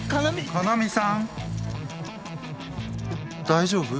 大丈夫？